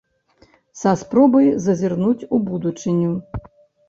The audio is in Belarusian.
Са спробай зазірнуць у будучыню.